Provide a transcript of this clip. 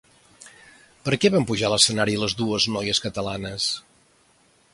Per a què van pujar a l'escenari les dues noies catalanes?